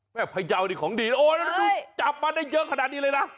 แม่พระเจ้านี่ของดีโอ้ยจับมันได้เยอะขนาดนี้เลยนะ